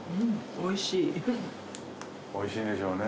美味しいでしょうね